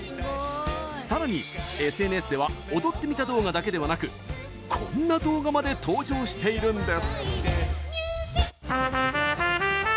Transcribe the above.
さらに、ＳＮＳ では踊ってみた動画だけではなくこんな動画まで登場しているんです。